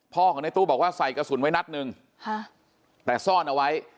ของในตู้บอกว่าใส่กระสุนไว้นัดหนึ่งแต่ซ่อนเอาไว้